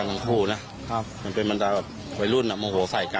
ทั้งคู่นะครับมันเป็นบรรดาแบบวัยรุ่นอ่ะโมโหใส่กัน